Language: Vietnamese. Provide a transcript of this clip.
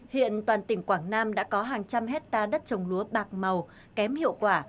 hiện toàn tỉnh quảng nam đã có hàng trăm hết ta đất trồng lúa bạc màu kém hiệu quả